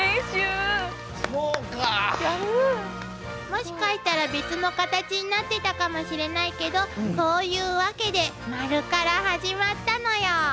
もしかしたら別のカタチになっていたかもしれないけどこういうワケで丸から始まったのよ。